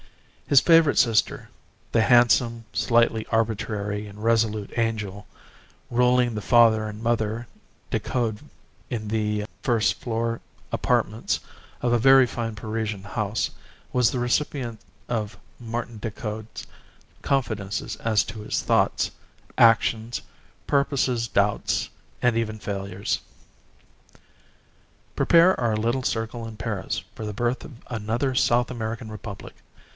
His favourite sister, the handsome, slightly arbitrary and resolute angel, ruling the father and mother Decoud in the first floor apartments of a very fine Parisian house, was the recipient of Martin Decoud's confidences as to his thoughts, actions, purposes, doubts, and even failures. ... "Prepare our little circle in Paris for the birth of another South American Republic.